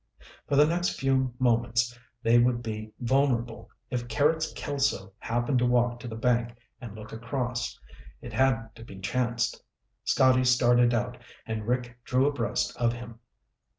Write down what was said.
For the next few moments they would be vulnerable if Carrots Kelso happened to walk to the bank and look across. It had to be chanced. Scotty started out and Rick drew abreast of him.